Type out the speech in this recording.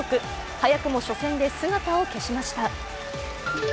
早くも初戦で姿を消しました。